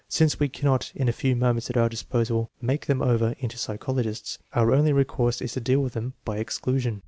Since we cannot in a few moments at our disposal make them over into psychologists, our only recourse is to deal with them by exclusion.